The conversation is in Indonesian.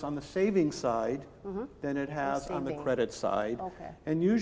apakah anda pikir itu target ambisius